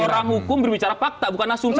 orang hukum berbicara fakta bukan asumsi